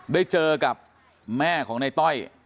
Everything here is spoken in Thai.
ได้เจอกับแม่ของในต้อย